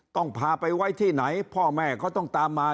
ต้องพาไปไว้ที่ไหนพ่อแม่เขาต้องตามมา